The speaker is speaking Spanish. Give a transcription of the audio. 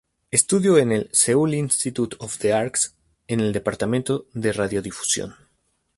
Estudió en el "Seoul Institute of the Arts" en el departamento de radiodifusión.